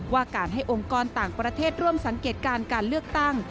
การให้องค์กรต่างประเทศร่วมสังเกตการการเลือกตั้ง